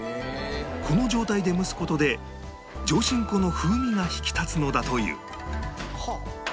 この状態で蒸す事で上新粉の風味が引き立つのだという